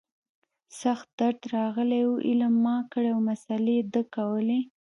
سخت درد راغلى و علم ما کړى او مسالې ده کولې.